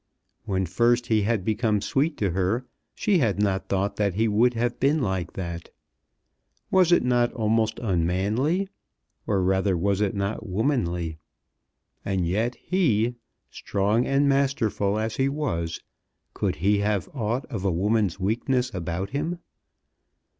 When first he had become sweet to her, she had not thought that he would have been like that. Was it not almost unmanly, or rather was it not womanly? And yet he, strong and masterful as he was, could he have aught of a woman's weakness about him?